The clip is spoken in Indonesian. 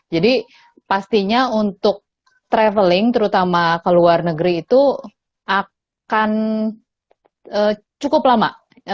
jadi pastinya untuk traveling terutama ke luar negeri itu akan cukup lama